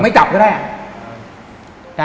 ไม่จับก็ได้